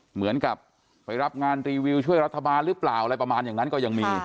เหมือนกับไปรับงานรีวิวช่วยรัฐบาลหรือเปล่าอะไรประมาณอย่างนั้นก็ยังมี